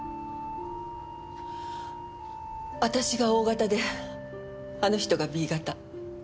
私がＯ型であの人がＢ型。